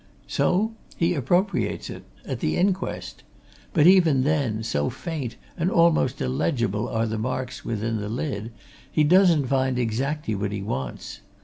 So he appropriates it, at the inquest! But even then, so faint and almost illegible are the marks within the lid, he doesn't find exactly what he wants.